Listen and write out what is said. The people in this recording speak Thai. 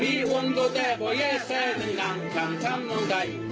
ดีวันก็แดบว่าแย่แซ่ไม่น้ำช้ำช้ำน้ำใจ